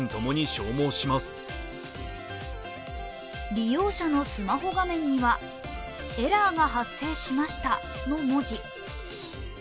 利用者のスマホ画面には、エラーが発生しましたの文字。